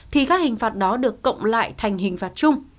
thì các hình phạt đó được cộng lại thành hình phạt chung